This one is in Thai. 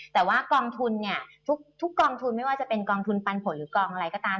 แต่ว่ากองทุนเนี่ยทุกกองทุนไม่ว่าจะเป็นกองทุนปันผลหรือกองอะไรก็ตาม